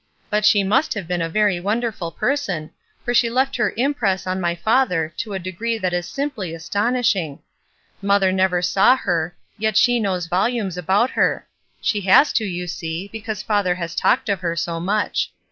But she •must have been a vwy wonderful person, for she left her impress on my father to a degree that is simply astonishing. Mother never saw her, yet she knows voliunes about her; she has to, you see, because father has talked of her so much.